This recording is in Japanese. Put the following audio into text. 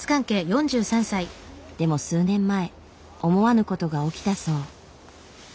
でも数年前思わぬことが起きたそう。